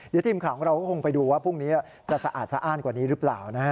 เดี๋ยวทีมข่าวของเราก็คงไปดูว่าพรุ่งนี้จะสะอาดสะอ้านกว่านี้หรือเปล่านะฮะ